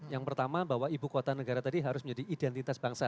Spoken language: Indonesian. yang pertama bahwa ibu kota negara tadi harus menjadi identitas bangsa